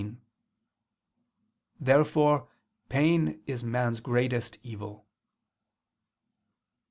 Therefore pain is man's greatest evil.